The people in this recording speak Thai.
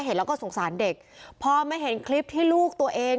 เห็นแล้วก็สงสารเด็กพอมาเห็นคลิปที่ลูกตัวเอง